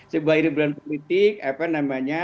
sebuah hiburan politik apa namanya